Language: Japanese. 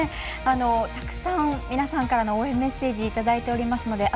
たくさん、皆さんから応援メッセージいただいています。